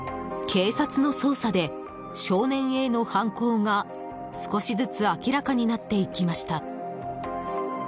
警察の捜査で、少年Ａの犯行が少しずつ明らかになっていきました。